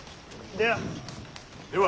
では。